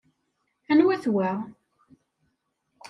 Anwa-t wa?